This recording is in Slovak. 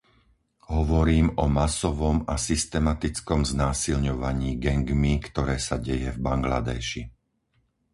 Hovorím o masovom a systematickom znásilňovaní gangmi, ktoré sa deje v Bangladéši.